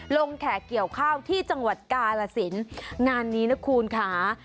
โรงแขกเกี่ยวข้าวที่จังหวัดกาหละสินงานนี้คะ